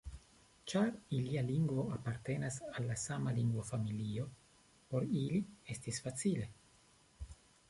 Ĉar ilia lingvo apartenas al la sama lingvofamilio, por ili estis facile.